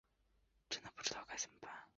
真的不知道该怎么办